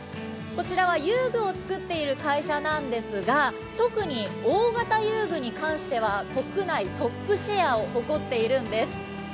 こちらは遊具を作っている会社なんですが、特に大型遊具に関しては国内トップシェアを誇っているんです。